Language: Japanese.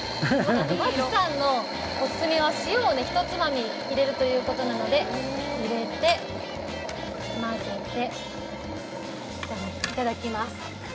槇さんのオススメは塩をひとつまみ入れるということなので入れて、混ぜて、いただきます。